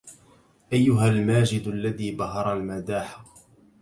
أيها الماجد الذي بهر المداح